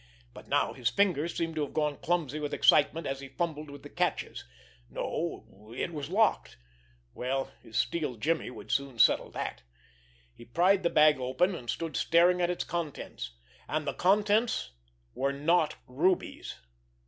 But now his fingers seemed to have gone clumsy with excitement as he fumbled with the catches. No, it was locked. Well, his steel jimmy would soon settle that! He pried the bag open, and stood staring at its contents. And the contents were not rubies!